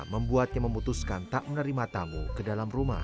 membuatnya memutuskan tak menerima tamu ke dalam rumah